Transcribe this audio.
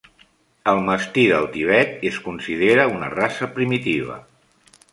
El mastí del Tibet es considera una raça primitiva.